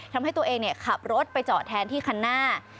ทำให้ตัวเองขับรถไปจอดแทนที่คันหน้า